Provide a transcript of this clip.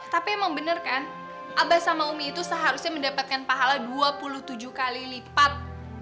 tapi emang bener kan abah sama umi itu seharusnya mendapatkan pahala dua puluh tujuh kali lipat